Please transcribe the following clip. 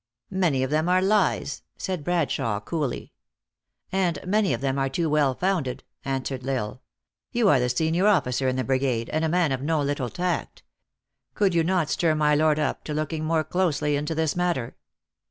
" Many of them are lies," said Bradshawe, coolly. "And many of them are too well founded," an swered LTsle. " You are the senior officer in the brigade, and a man of no little tact. Could you not stir my lord up to looking more closely into this matter."